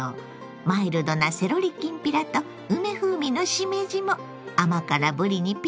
マイルドなセロリきんぴらと梅風味のしめじも甘辛ぶりにピッタリ！